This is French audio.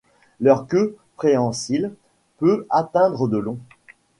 Leur queue préhensile peut atteindre de long.